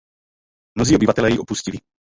Mnozí obyvatelé ji opustili.